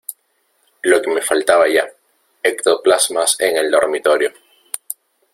lo que me faltaba ya, ectoplasmas en el dormitorio.